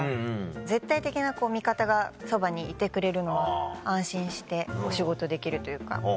絶対的な味方がそばにいてくれるのは安心してお仕事できるというか。